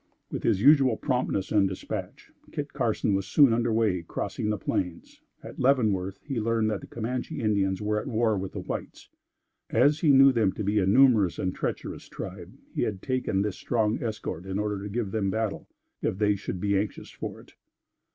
With his usual promptness and dispatch, Kit Carson was soon under way crossing the plains. At Leavenworth he had learned that the Camanche Indians were at war with the whites. As he knew them to be a numerous and treacherous tribe, he had taken this strong escort in order to give them battle, if they should be anxious for it.